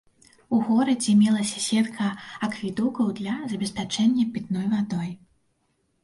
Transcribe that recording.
У горадзе мелася сетка акведукаў для забеспячэння пітной вадой.